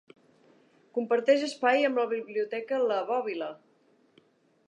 Comparteix espai amb la Biblioteca La Bòbila.